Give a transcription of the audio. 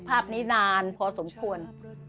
ภาพนี้นานพอสมควร